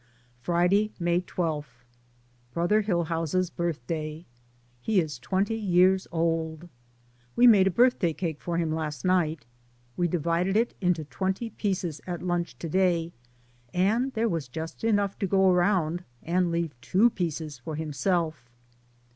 Friday, May 12. Brother Hillhouse's birthday. He is twenty years old. We made a birthday cake Z6 DAYS ON THE ROAD. for him last night. We divided it into twenty pieces at lunch to day, and there was just enough to go around and leave two pieces for himself.